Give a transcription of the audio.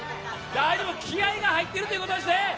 気合いが入ってるということですね。